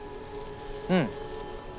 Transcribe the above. うん。